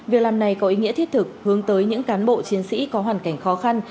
việc làm này có ý nghĩa thiết thực hướng tới những cán bộ chiến sĩ có hoàn cảnh khó khăn